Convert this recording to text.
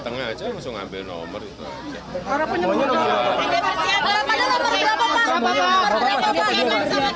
nomor berapa pak